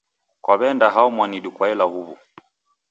Kwawe'nda hao mwanidu kwaela huw'u?